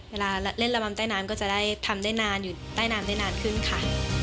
เวลาเล่นระบำใต้น้ำก็จะได้ทำได้นานอยู่ใต้น้ำได้นานขึ้นค่ะ